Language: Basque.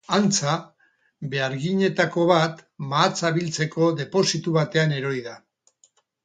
Antza, beharginetako bat mahatsa biltzeko depositu batean erori da.